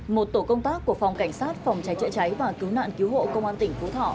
một tổ công tác của phòng cảnh sát phòng cháy chữa cháy và cứu nạn cứu hộ công an tỉnh phú thọ